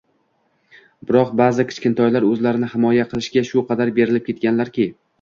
Biroq ba’zi kichkintoylar o‘zlarini himoya qilishga shu qadar berilib ketganlarki